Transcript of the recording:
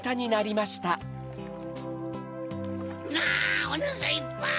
あおなかいっぱい！